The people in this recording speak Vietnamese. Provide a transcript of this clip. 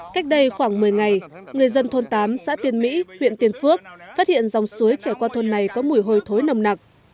cách đây khoảng một mươi ngày người dân thôn tám xã tiên mỹ huyện tiên phước phát hiện dòng suối trẻ qua thôn này có mùi hôi thối nồng nặc